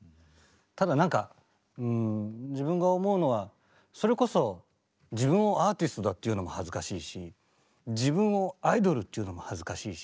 ただなんか自分が思うのはそれこそ自分をアーティストだって言うのも恥ずかしいし自分をアイドルと言うのも恥ずかしいし。